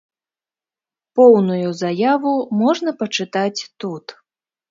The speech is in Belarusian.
Поўную заяву можна пачытаць тут.